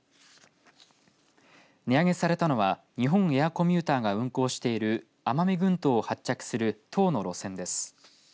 値上げされたのは日本エアコミューターが運航している奄美群島を発着する１０の路線です。